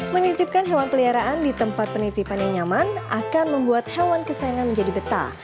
menitipkan hewan peliharaan di tempat penitipan yang nyaman akan membuat hewan kesayangan menjadi betah